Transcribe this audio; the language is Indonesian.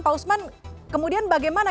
pak usman kemudian bagaimana